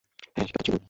হ্যাঁ সেটা তো ছিলোই।